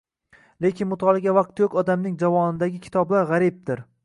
lekin mutolaaga vaqti yo‘q odamning javonidagi kitoblar g‘aribdir.